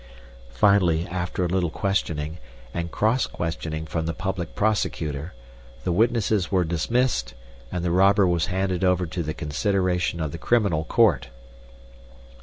Finally, after a little questioning, and cross questioning from the public prosecutor, the witnesses were dismissed, and the robber was handed over to the consideration of the criminal court.